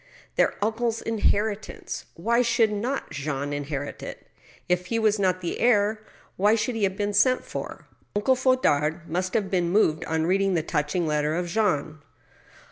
Their uncle's inheritance ! Why should not Jean inherit it ? If he was not the heir, why should he have been sent for ? Uncle Fondard must have been moved on reading the touching letter of Jean.